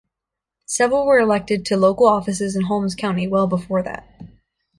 Several were elected to local offices in Holmes County well before that.